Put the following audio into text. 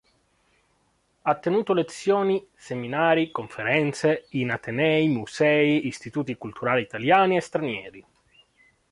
Ha tenuto lezioni, seminari, conferenze, in atenei, musei, istituti culturali italiani e stranieri.